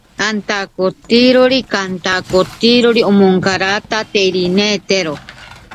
Son cuadros de autor y fecha desconocidos, de estilo manierista.